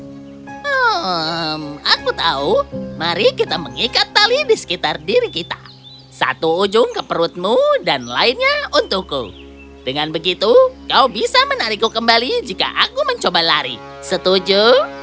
hmm aku tahu mari kita mengikat tali di sekitar diri kita satu ujung ke perutmu dan lainnya untukku dengan begitu kau bisa menarikku kembali jika aku mencoba lari setuju